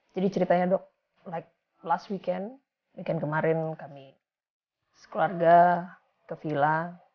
jadi ceritanya dok like last weekend weekend kemarin kami sekeluarga ke vila